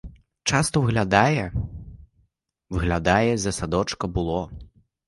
Часто:' виглядає, виглядає з-за садочка було.